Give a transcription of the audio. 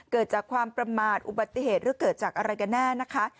เกิดจากความประมาทอุบัติเหตุหรือเกิดจากอะไรกันแน่นะคะ